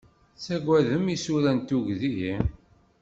Tettagadem isura n tugdi?